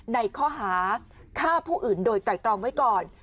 ในข้อหาฆ่าผู้อื่นโดยไตรตรองไว้ก่อน